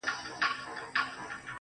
ته به د خوب په جزيره كي گراني .